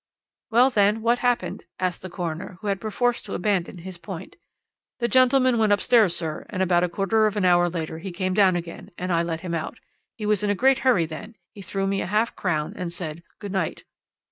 "'Well, then, what happened?' asked the coroner, who had perforce to abandon his point. "'The gentleman went upstairs, sir, and about a quarter of an hour later he come down again, and I let him out. He was in a great hurry then, he threw me a half crown and said: "Good night."'